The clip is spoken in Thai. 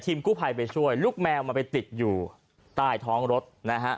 กู้ภัยไปช่วยลูกแมวมันไปติดอยู่ใต้ท้องรถนะฮะ